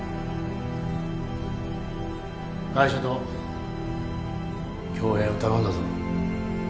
会社と恭平を頼んだぞ。